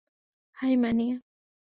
High, মানিয়া!